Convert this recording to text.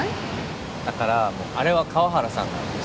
だからあれは河原さんなんです。